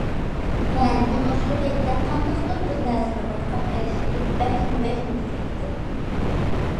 مەن ئۇنىڭ شۇ پەيتتە قانداقتۇر بىر نەرسىنى بايقاپ قېلىشىنى بەكمۇ- بەكمۇ تىلەيتتىم.